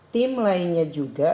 tim lainnya juga